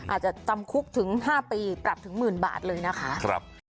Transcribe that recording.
อาจจะตำคุกถึงห้าปีปรับถึงหมื่นบาทเลยนะคะครับ